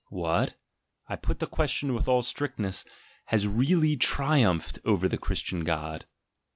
What, I put the question with all strictness, has really triumphed over the Christian God?